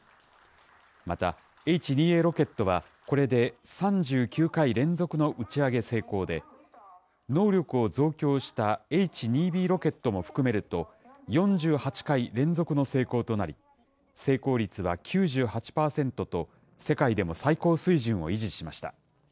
また、Ｈ２Ａロケットはこれで３９回連続の打ち上げ成功で、能力を増強したＨ２Ｂロケットも含めると、４８回連続の成功となり、成功率は９８％と、世界でも最高水準を維持しました。